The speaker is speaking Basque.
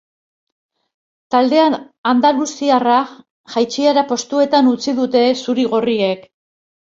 Talde andaluziarra jaitsiera postuetan utzi dute zuri-gorriek.